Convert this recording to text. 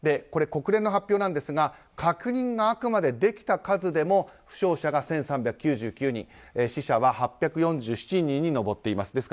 国連の発表ですが確認が、あくまでできた数でも負傷者が１３９９人死者は８４７人に上っています。